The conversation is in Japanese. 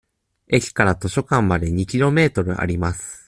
駅から図書館まで二キロメートルあります。